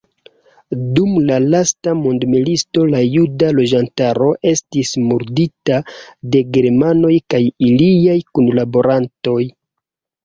Dum la lasta mondmilito la juda loĝantaro estis murdita de germanoj kaj iliaj kunlaborantoj.